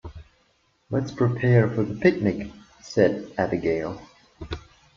"Let's prepare for the picnic!", said Abigail.